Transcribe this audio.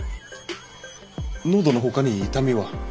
喉のほかに痛みは？